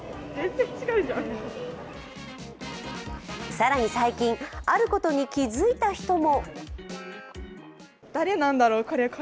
更に、最近あることに気づいた人も。